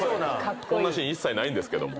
こんなシーン一切ないんですけども。